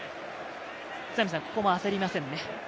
ここも焦りませんね。